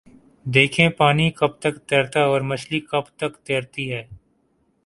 دیکھیے پانی کب تک بہتا اور مچھلی کب تک تیرتی ہے؟